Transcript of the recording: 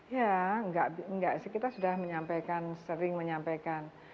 ya nggak sih kita sudah menyampaikan sering menyampaikan